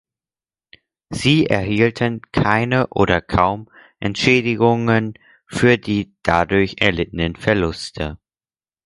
Sie erhielten „keine oder kaum Entschädigungen für die dadurch erlittenen Verluste“.